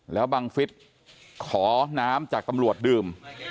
แล้วบังฟิศขอน้ำจากตำรวจดื่ม